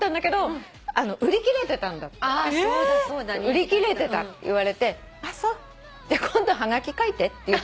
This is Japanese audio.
売り切れてた言われて「ああそうじゃあ今度はがき書いて」って言っといた。